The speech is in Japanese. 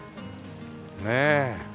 ねえ。